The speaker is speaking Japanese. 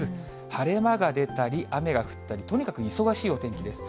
晴れ間が出たり、雨が降ったり、とにかく忙しいお天気です。